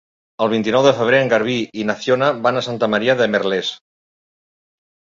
El vint-i-nou de febrer en Garbí i na Fiona van a Santa Maria de Merlès.